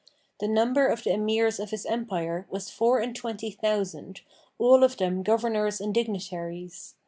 The number of the Emirs of his Empire was four and twenty thousand, all of them Governors and Dignitaries.